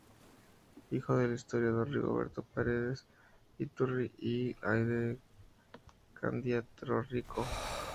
Hijo del historiador Rigoberto Paredes Iturri y de Haydee Candia Torrico.